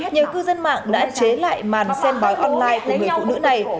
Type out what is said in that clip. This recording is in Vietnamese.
nhiều cư dân mạng đã chế lại màn xem bói online của người phụ nữ này